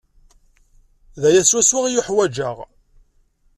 D aya swaswa i uḥwajeɣ.